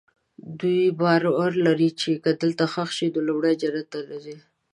دوی باور لري که دلته ښخ شي نو لومړی جنت ته ننوځي.